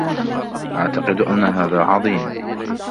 أعتقد أن هذا عظيم!